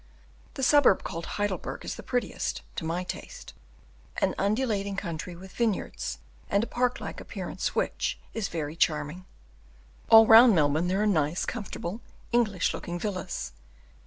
The suburb called Heidelberg is the prettiest, to my taste an undulating country with vineyards, and a park like appearance which, is very charming. All round Melbourne there are nice, comfortable, English looking villas.